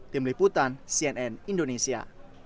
tim liputan cnn indonesia